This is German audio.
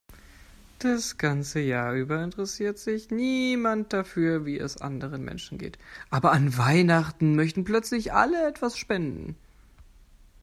Das ganze Jahr über interessiert sich niemand dafür, wie es anderen Menschen geht, aber an Weihnachten möchten plötzlich alle etwas spenden.